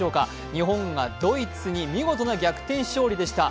日本がドイツに見事な逆転勝利でした。